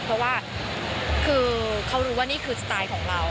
เพราะว่าคือเขารู้ว่านี่คือสไตล์ของเรา